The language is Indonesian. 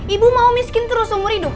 ibu mau miskin terus seumur hidup